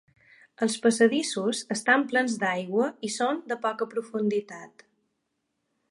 Els passadissos estan plens d'aigua i són de poca profunditat.